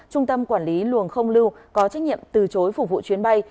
trung tâm quản lý luồng không lưu có trách nhiệm từ chối phục vụ chuyến bay